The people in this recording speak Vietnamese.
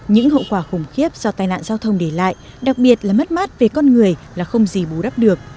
những hậu quả khủng khiếp do tai nạn giao thông để lại đặc biệt là mất mát về con người là không gì bù đắp được